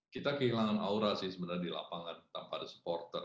kita kehilangan aura sih sebenarnya di lapangan tanpa ada supporter